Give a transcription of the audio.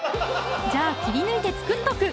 じゃあ切り抜いて作っとく